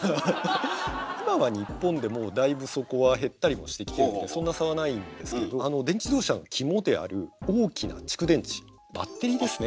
今は日本でもだいぶそこは減ったりもしてきてるんでそんな差はないんですけど電気自動車の肝である大きな蓄電池バッテリーですね